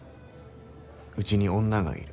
うちに女がいる。